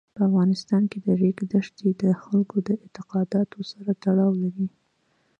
په افغانستان کې د ریګ دښتې د خلکو د اعتقاداتو سره تړاو لري.